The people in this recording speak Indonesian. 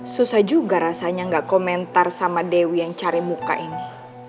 susah juga rasanya gak komentar sama dewi yang cari muka ini